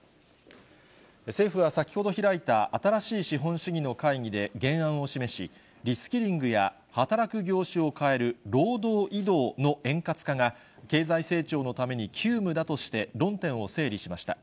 政府は先ほど開いた新しい資本主義の会議で原案を示し、リスキリングや働く業種を変える労働移動の円滑化が、経済成長のために急務だとして、論点を整理しました。